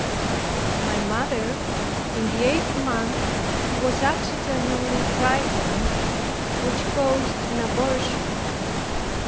My mother, in the eighth month, was accidentally frightened, which caused an abortion.